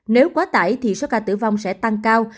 nếu quá tải thì số ca tử vong sẽ tăng cao